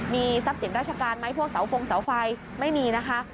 มีทรัพย์สินราชการไหมพวกเสาฟงเสาไฟไม่มีนะคะ